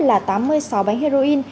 là tám mươi sáu bánh heroin